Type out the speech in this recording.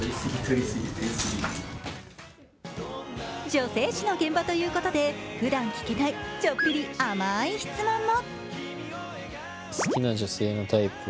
女性誌の現場ということでふだん聞けない、ちょっぴり甘い質問も。